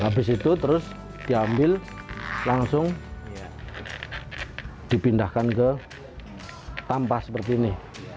habis itu terus diambil langsung dipindahkan ke tampah seperti ini